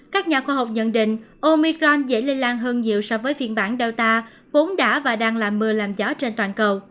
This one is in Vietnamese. các nhà khoa học nhận định omicron dễ lây lan hơn nhiều so với phiên bản danta vốn đã và đang là mưa làm gió trên toàn cầu